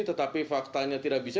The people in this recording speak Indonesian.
tetapi faktanya tidak bisa